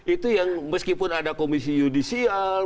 itu yang meskipun ada komisi yudisial